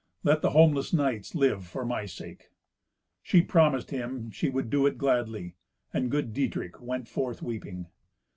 Let the homeless knights live for my sake." She promised him she would do it gladly, and good Dietrich went forth weeping.